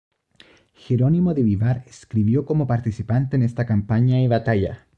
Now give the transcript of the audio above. Jerónimo de Vivar escribió como participante en esta campaña y batalla.